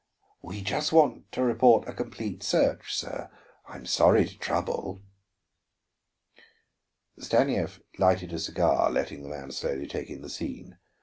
"We just want to report a complete search, sir. I'm sorry to trouble." Stanief lighted a cigar, letting the man slowly take in the scene.